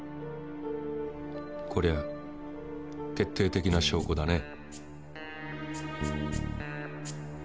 こりゃ決定的な証拠だね。